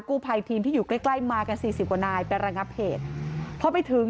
ครูภายทีมที่อยู่ใกล้ใกล้มากันสี่สิบกว่านายแปลงอาเผจเพื่อไปถึง